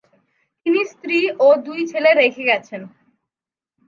তিনি স্ত্রী ও দুই ছেলে রেখে গেছেন।